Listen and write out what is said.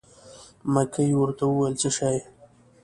مکۍ ورته وویل: څه شی.